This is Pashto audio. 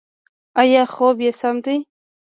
ایا خوب یې سم دی؟